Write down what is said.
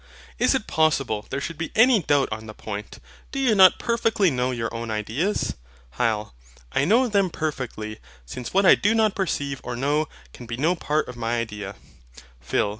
Is it possible there should be any doubt on the point? Do you not perfectly know your own ideas? HYL. I know them perfectly; since what I do not perceive or know can be no part of my idea. PHIL.